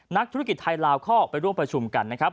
นักธุรกิจไทยลาวก็ไปร่วมประชุมกันนะครับ